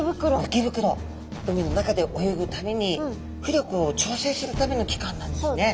海の中で泳ぐために浮力を調整するための器官なんですね。